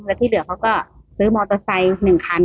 และที่เหลือเขาก็ซื้ออาวุธบ้า๑คัน